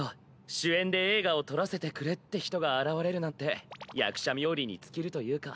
主演で映画を撮らせてくれって人が現れるなんて役者冥利に尽きるというか。